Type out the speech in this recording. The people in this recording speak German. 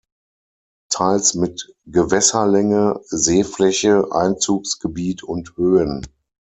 Teils mit Gewässerlänge, Seefläche, Einzugsgebiet und Höhen.